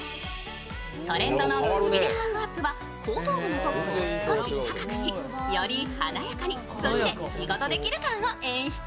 トレンドのくびれハーフアップは後頭部のトップを少し高くしより華やかに、そして仕事できる感を演出。